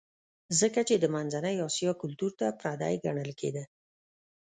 ځکه چې د منځنۍ اسیا کلتور ته پردی ګڼل کېده